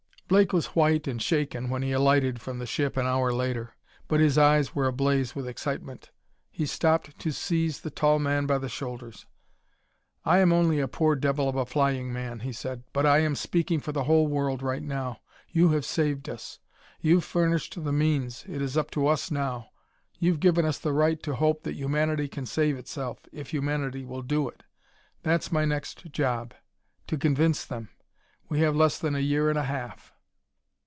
Blake was white and shaken when he alighted from the ship an hour later, but his eyes were ablaze with excitement. He stopped to seize the tall man by the shoulders. "I am only a poor devil of a flying man," he said, "but I am speaking for the whole world right now. You have saved us; you've furnished the means. It is up to us now. You've given us the right to hope that humanity can save itself, if humanity will do it. That's my next job to convince them. We have less than a year and a half...."